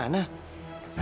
bukan salah zahirah gimana